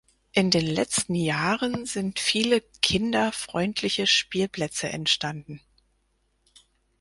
In den letzten Jahren sind viele kinderfreundliche Spielplätze entstanden.